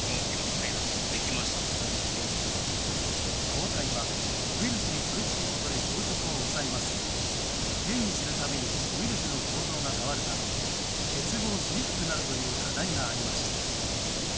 抗体はウイルスにとりつくことで増殖を抑えますが変異する度にウイルスの構造が変わるため結合しにくくなるという課題がありました。